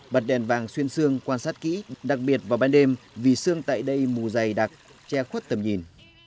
bật đèn vàng xuyên xương quan sát kỹ đặc biệt vào ban đêm vì xương tại đây mù dày đặc che khuất tầm nhìn